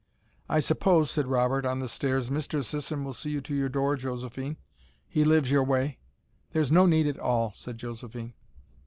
"I suppose," said Robert, on the stairs "Mr. Sisson will see you to your door, Josephine. He lives your way." "There's no need at all," said Josephine.